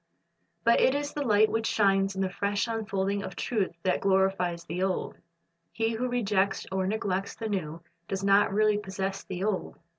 '" But it is the light which shines in the fresh unfolding of truth that glorifies the old. He who rejects or neglects the new, does not really possess the old.